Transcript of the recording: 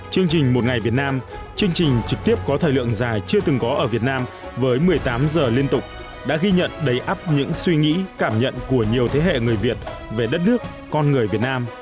chương trình một ngày việt nam chương trình trực tiếp có thời lượng dài chưa từng có ở việt nam với một mươi tám giờ liên tục đã ghi nhận đầy ấp những suy nghĩ cảm nhận của nhiều thế hệ người việt về đất nước con người việt nam